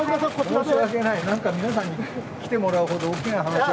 申し訳ない、なんか皆さんに来てもらうほど大きな話じゃ。